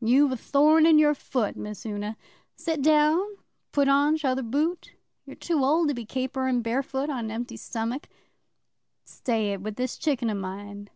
'You've a thorn in your foot, Miss Una. Sit down, and put on your t'other boot. You're too old to be caperin' barefoot on an empty stomach. Stay it with this chicken o' mine.